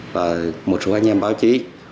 và một số anh em báo chí